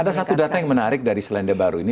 ada satu data yang menarik dari selandia baru ini